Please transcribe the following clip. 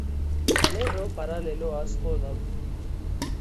Lerro paralelo asko daude.